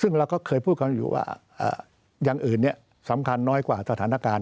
ซึ่งเราก็เคยพูดกันอยู่ว่าอย่างอื่นสำคัญน้อยกว่าสถานการณ์